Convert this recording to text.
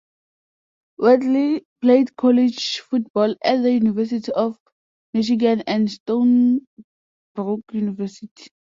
Wheatley played college football at the University of Michigan and Stony Brook University.